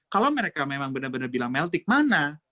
kalau mereka memang benar benar bilang meltik mana